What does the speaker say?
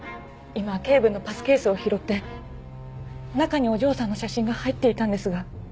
今警部のパスケースを拾って中にお嬢さんの写真が入っていたんですが。